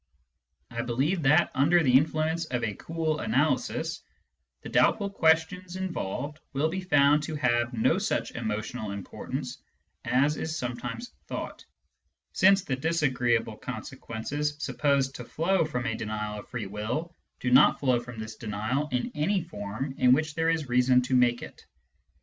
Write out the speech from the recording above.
I believe that, under the influence of a cool analysis, the doubtful questions involved will be found to have no such emotional importance as is sometimes thought, since the disagreeable consequences supposed to flow from a denial of free will do not flow from this denial in any form in which there is reason to make it.